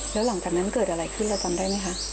แล้วหลังจากนั้นมันเกิดอะไรขึ้นเราจำได้ไหมคะ